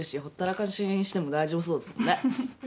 ほったらかしにしても大丈夫そうっすもんね。